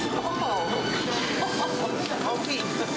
大きい。